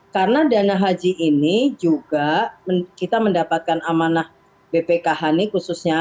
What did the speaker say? karena dana haji ini juga kita mendapatkan amanah bpkh nih khususnya